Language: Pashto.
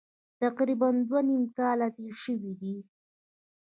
تقریبا دوه نیم کاله تېر شوي دي.